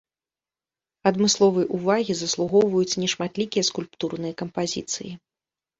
Адмысловай увагі заслугоўваюць нешматлікія скульптурныя кампазіцыі.